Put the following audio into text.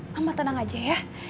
mama tenang aja ya